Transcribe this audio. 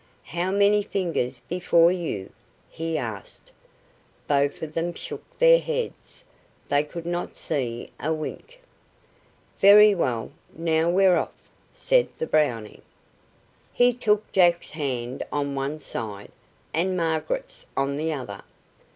"How many fingers before you?" he asked. Both of them shook their heads. They could not see a wink. "Very well, now we're off," said the Brownie. He took Jack's hand on one side, and Margaret's on the other.